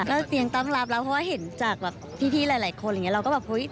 ก็ยังต้องรับรับเพราะว่าเห็นจากพี่หลายคนอย่างนี้